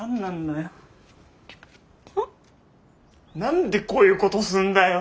何でこういうことすんだよ。